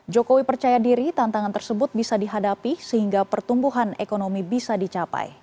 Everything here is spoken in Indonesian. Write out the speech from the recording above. jokowi percaya diri tantangan tersebut bisa dihadapi sehingga pertumbuhan ekonomi bisa dicapai